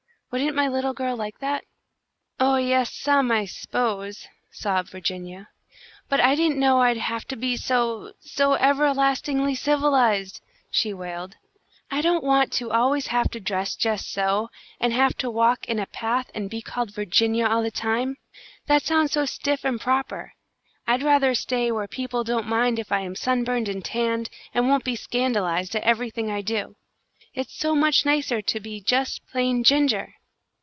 Wouldn't my little girl like that?" "Oh, yes, some, I s'pose," sobbed Virginia, "but I didn't know I'd have to be so so everlastingly civilised!" she wailed. "I don't want to always have to dress just so, and have to walk in a path and be called Virginia all the time. That sounds so stiff and proper. I'd rather stay where people don't mind if I am sunburned and tanned, and won't be scandalised at everything I do. It's so much nicer to be just plain Ginger!"